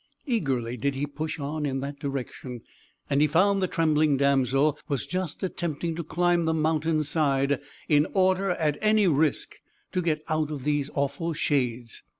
Eagerly did he push on in that direction, and he found the trembling damsel was just attempting to climb the mountain's side, in order, at any risk, to get out of these awful shades.